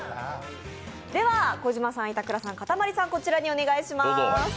小島さん、板倉さん、かたまりさん、こちらにお願いします。